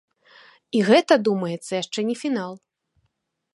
І гэта, думаецца, яшчэ не фінал.